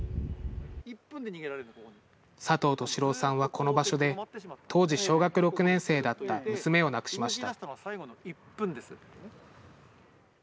佐藤敏郎さんはこの場所で、当時小学６年生だった娘を亡くしました。